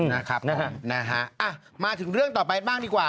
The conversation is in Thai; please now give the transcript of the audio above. นะครับนะฮะมาถึงเรื่องต่อไปบ้างดีกว่า